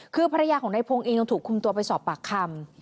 คือภรรยาของนายพงศ์เองยังถูกคุมตัวไปสอบปากคำ